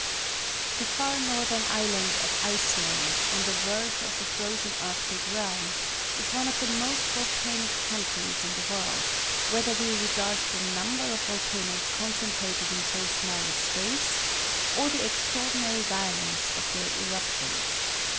The far northern island of Iceland, on the verge of the frozen Arctic realm, is one of the most volcanic countries in the world, whether we regard the number of volcanoes concentrated in so small a space, or the extraordinary violence of their eruptions.